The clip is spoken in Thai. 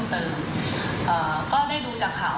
มันก็เหมือนกับที่เราคิดไว้แล้วว่ามันมีเรื่องแบบนี้เกิดขึ้นในโรงเรียน